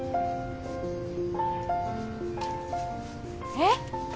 えっ！？